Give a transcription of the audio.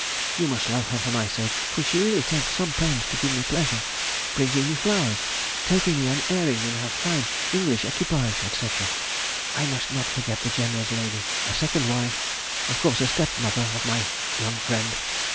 You must love her for my sake, for she really takes some pains to give me pleasure, bringing me flowers, taking me an airing in her fine English equipage, &c. I must not forget the general's lady, a second wife, of course a stepmother of my young friend.